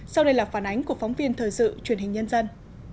sau đây là phản ánh của phóng viên thời sự truyền hình nhân dân